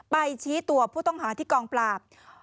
ชี้ตัวผู้ต้องหาที่กองปราบ